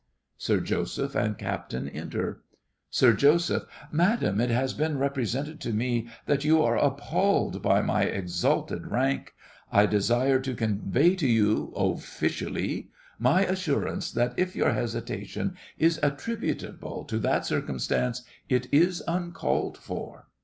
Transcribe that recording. SIR JOSEPH and CAPTAIN enter SIR JOSEPH. Madam, it has been represented to me that you are appalled by my exalted rank. I desire to convey to you officially my assurance, that if your hesitation is attributable to that circumstance, it is uncalled for.